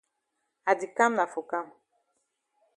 I di kam na for kam.